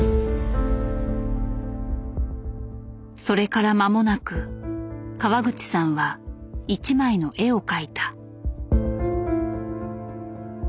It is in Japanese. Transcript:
それからまもなく川口さんは一枚の絵を描いた。